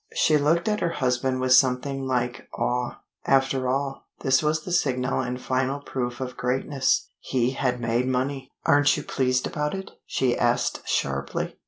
She looked at her husband with something like awe. After all, this was the signal and final proof of greatness he had made money! "Aren't you pleased about it?" she asked sharply.